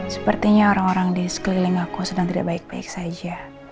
sepertinya orang orang di sekeliling aku sedang tidak baik baik saja